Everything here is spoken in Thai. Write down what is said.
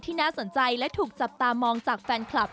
น่าสนใจและถูกจับตามองจากแฟนคลับ